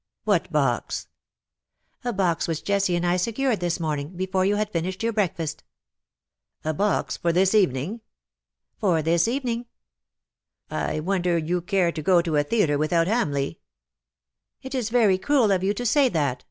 ''What box?" "A box which Jessie and I secured this morn ing, before you had finished your breakfast." " A box for this evening ?"'' For this evening." " I wonder you care to go to a theatre without Hamleigh." *' It is very cruel of you to say that